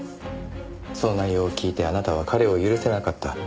その内容を聞いてあなたは彼を許せなかった。